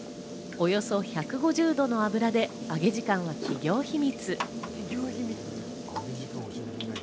およそ１５０度の油で揚げ時間は企業秘密。